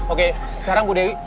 oke sekarang bu dewi